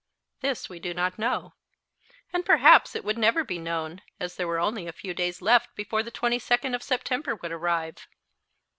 This we do not know. And perhaps it would never be known, as there were only a few days left before the 22d of September would arrive.